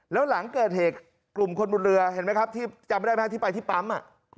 แล้วหลังเกิดเหตุกลุ่มคนบนเรือที่ไปที่ปั๊ม